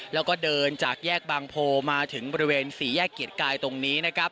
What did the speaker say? แล้วก็เดินจากแยกบางโพมาถึงบริเวณสี่แยกเกียรติกายตรงนี้นะครับ